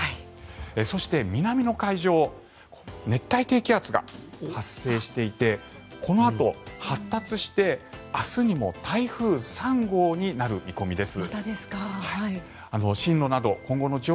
そして南の海上熱帯低気圧が発生していてこのあと発達して、明日にも台風３号になる見込みです。